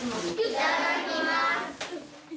いただきます。